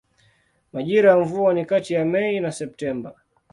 Majira ya mvua ni kati ya Mei na Septemba.